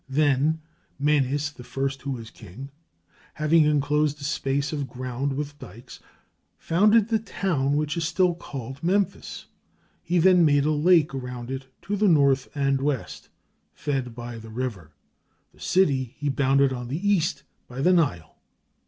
"Then Menes, the first who was king, having enclosed a space of ground with dikes, founded that town which is still called Memphis: he then made a lake around it to the north and west, fed by the river; the city he bounded on the east by the Nile."